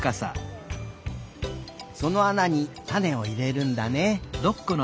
そのあなにたねをいれるんだね。